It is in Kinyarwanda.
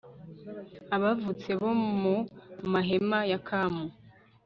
abavutse mbere bo mu mahema ya kamu